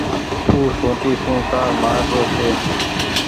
او سوٽي سون ڪآ مآر رو ڇي۔